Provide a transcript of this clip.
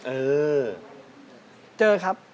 เออเจอครับ